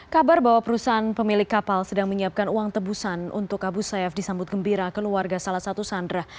kabar bahwa perusahaan pemilik kapal sedang menyiapkan uang tebusan untuk abu sayyaf disambut gembira keluarga salah satu sandra